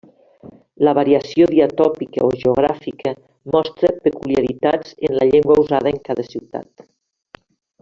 La variació diatòpica o geogràfica mostra peculiaritats en la llengua usada en cada ciutat.